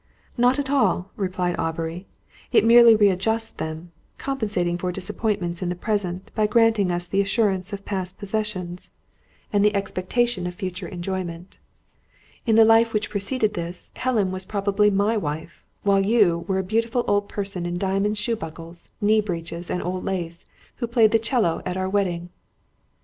"Not at all," replied Aubrey. "It merely readjusts them, compensating for disappointments in the present, by granting us the assurance of past possessions, and the expectation of future enjoyment. In the life which preceded this, Helen was probably my wife, while you were a beautiful old person in diamond shoe buckles, knee breeches, and old lace, who played the 'cello at our wedding."